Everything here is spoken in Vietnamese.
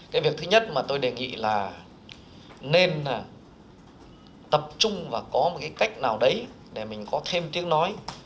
cái việc thứ nhất mà tôi đề nghị là nên tập trung và có một cái cách nào đấy để mình có thêm tiếng nói